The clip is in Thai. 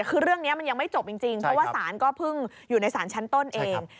คือเรื่องนี้มันยังไม่จบจริงเพราะว่าศาลก็เพิ่งอยู่ในศาลชั้นต้นเอง